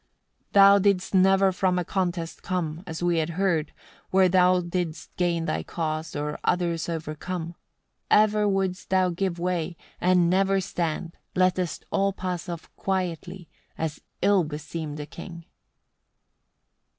100. Thou didst never from a contest come, as we had heard, where thou didst gain thy cause, or others overcome; ever wouldst thou give way, and never stand, lettest all pass off quietly, as ill beseemed a king.